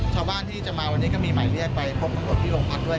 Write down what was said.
ชาวบ้านที่จะมาวันนี้ก็มีหมายเรียกไปพบตำรวจที่โรงพักด้วย